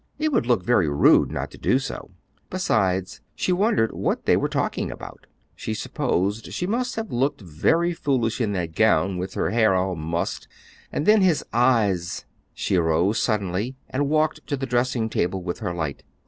It would look very rude not to do so. Besides, she wondered what they were talking about. She supposed she must have looked very foolish in that gown with her hair all mussed; and then his eyes She arose suddenly and walked to the dressing table with her light.